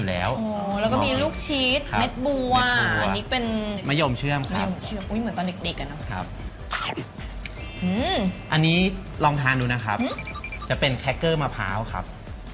อันนี้ลองทานดูนะครับจะเป็นแคคเกอร์มะพร้าวครับ